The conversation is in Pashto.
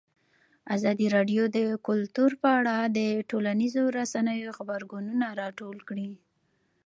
ازادي راډیو د کلتور په اړه د ټولنیزو رسنیو غبرګونونه راټول کړي.